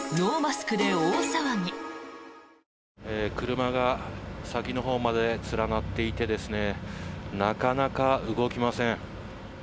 車が先のほうまで連なっていてなかなか動きません。